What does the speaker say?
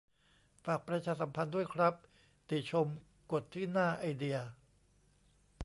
ฝากประชาสัมพันธ์ด้วยครับ ติชมกดที่หน้า "ไอเดีย"